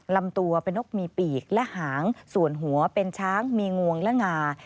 ลำตัวเป็นนกมีปีกและหางส่วนหัวเป็นช้างมีงวงและงา